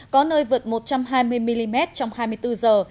có nơi vượt một trăm hai mươi mm trong hai mươi bốn giờ